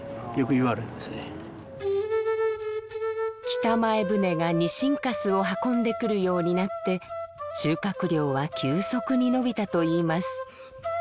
北前船がにしん粕を運んでくるようになって収穫量は急速に伸びたといいます。